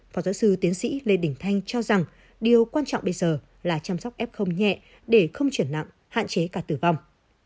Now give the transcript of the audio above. phó giáo sư tiến sĩ lê đình thanh cho rằng điều quan trọng bây giờ là chăm sóc f nhẹ để không chuyển nặng hạn chế cả tử vong